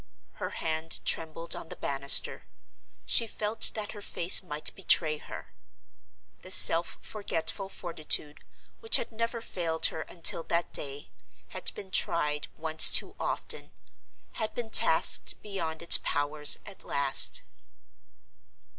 Her hand trembled on the banister; she felt that her face might betray her. The self forgetful fortitude, which had never failed her until that day, had been tried once too often—had been tasked beyond its powers at last.